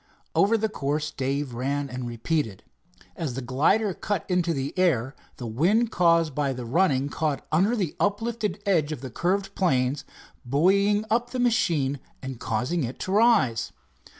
Over the course Dave ran and repeated. As the glider cut into the air, the wind caused by the running caught under the uplifted edge of the curved planes, buoying up the machine and causing it to rise.